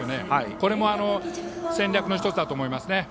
これも戦略の１つだと思いますね。